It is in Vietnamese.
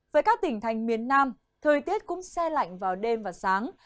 với các tỉnh thành miền nam thời tiết cũng xe lạnh vào đêm và sáng